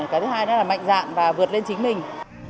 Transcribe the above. cái thứ hai đó là mạnh dạng và vượt lên chính mình